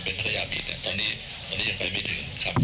เป็นภรรยาบีตเนี้ยตอนนี้ตอนนี้ยังไปไม่ถึงครับ